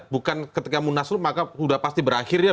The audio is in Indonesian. bukan ketika munaslup maka sudah pasti berakhir ya